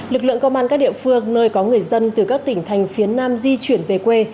lực lượng công an các địa phương nơi có người dân từ các tỉnh thành phía nam di chuyển về quê